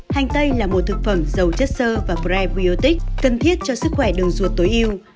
hành tây là một thực phẩm giàu chất sơ và prebiotic cần thiết cho sức khỏe đường ruột tối ưu